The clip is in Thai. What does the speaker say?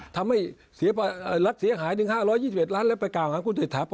ทำให้รัฐเสียหายถึง๕๒๑ล้านรัฐประกาศของคุณเจษฐา